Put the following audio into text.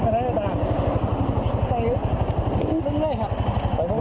เฮ้ยอย่าขอบคุณค่ะขอบคุณค่ะขอบคุณค่ะ